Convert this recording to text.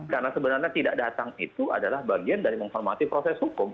karena sebenarnya tidak datang itu adalah bagian dari menghormati proses hukum